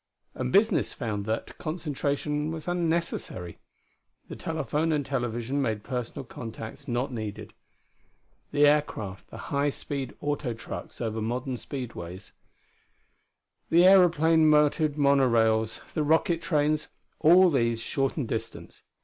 And business found that concentration was unnecessary. The telephone and television made personal contacts not needed. The aircraft, the high speed auto trucks over modern speedways, the aeroplane motored monorails, the rocket trains all these shortened distance.